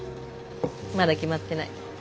まだ決まってない。